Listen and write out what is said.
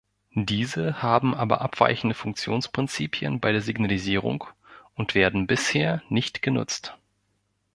Diese haben aber abweichende Funktionsprinzipien bei der Signalisierung und werden bisher nicht genutzt.